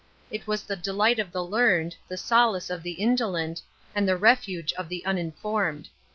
It was the delight of the learned, the solace of the indolent, and the refuge of the uninformed.